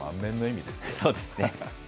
そうですね。